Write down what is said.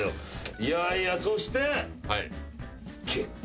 いやいやそして結構。